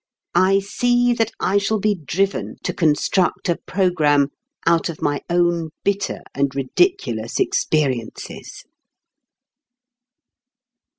I see that I shall be driven to construct a programme out of my own bitter and ridiculous experiences.